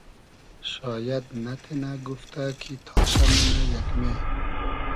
شاید نئتینۂ گوفتۂ کی تاشۂ مونۂ یئگمې